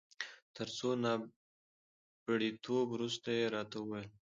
تر څو نا پړيتو وروسته يې راته وویل.